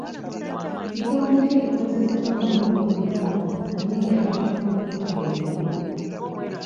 Bigambo ki ebikozesebwa mu lulimi Oluganda naye nga birina amakulu ge gamu?